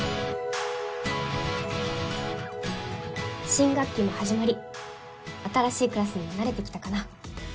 新学期も始まり新しいクラスにも慣れてきたかな。